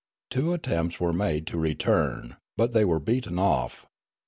Two attempts were made to return ; but they were beaten off.